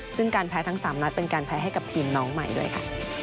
ซึ่งการแพ้ทั้ง๓นัดเป็นการแพ้ให้กับทีมน้องใหม่ด้วยค่ะ